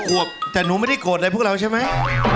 ขวบแต่หนูไม่ได้โกรธอะไรพวกเราใช่ไหม